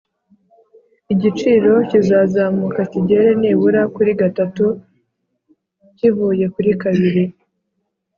Igiciro kizazamuka kigere nibura kuri gatatu kivuye kuri kabiri